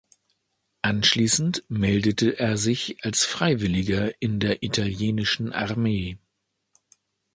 Anschließend meldete er sich als Freiwilliger in der italienischen Armee.